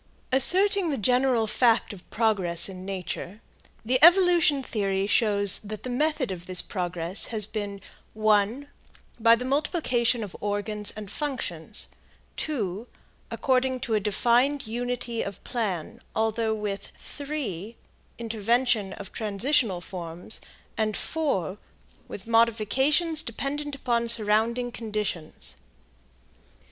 Asserting the general fact of progress in nature, the evolution theory shows that the method of this progress has been (1) by the multiplication of organs and functions; (2) according to a defined unity of plan, although with (3) intervention of transitional forms, and (4) with modifications dependent upon surrounding conditions.